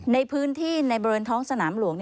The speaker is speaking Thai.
ในพื้นที่ในบริเวณท้องสนามหลวง